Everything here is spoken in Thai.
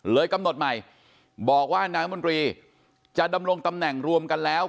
กำหนดใหม่บอกว่านายมนตรีจะดำรงตำแหน่งรวมกันแล้ว